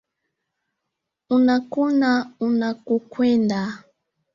Hunakona unakokwenda.